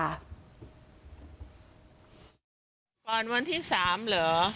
ก่อนวันที่๓เหรอ